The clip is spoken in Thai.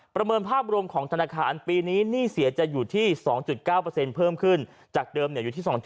เมินภาพรวมของธนาคารปีนี้หนี้เสียจะอยู่ที่๒๙เพิ่มขึ้นจากเดิมอยู่ที่๒๗